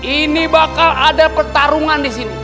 ini bakal ada pertarungan disini